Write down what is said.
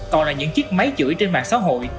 còn là những chiếc máy chửi trên mạng xã hội